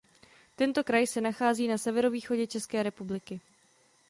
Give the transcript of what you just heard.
Tento kraj se nachází na severovýchodě České republiky.